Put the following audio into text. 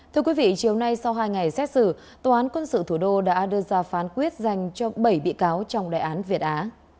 thưa quý vị chiều nay sau hai ngày xét xử tòa án quân sự thủ đô đã đưa ra phán quyết dành cho bảy bị cáo trong đại án việt á